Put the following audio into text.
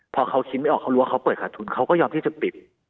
พอเขาคิดไม่ออกเขารู้ว่าเขาเปิดขาดทุนเขาก็ยอมที่จะปิด